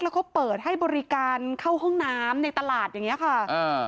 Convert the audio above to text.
แล้วเขาเปิดให้บริการเข้าห้องน้ำในตลาดอย่างเงี้ยค่ะอ่า